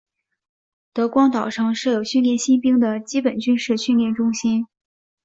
德光岛上设有训练新兵的基本军事训练中心。